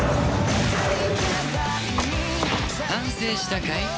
反省したかい？